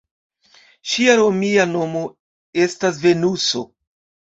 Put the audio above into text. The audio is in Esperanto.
Ŝia romia nomo estas Venuso.